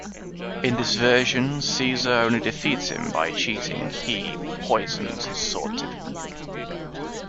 In this version Caesar only defeats him by cheating-he poisons his sword-tip.